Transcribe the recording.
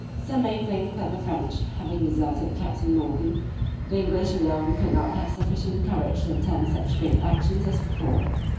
_ SOME may think that the French having deserted Captain Morgan, the English alone could not have sufficient courage to attempt such great actions as before.